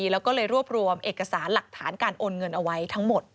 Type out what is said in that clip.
แล้วก็เลยรวบรวมเอกสารหลักฐานการโอนเงินเอาไว้ทั้งหมด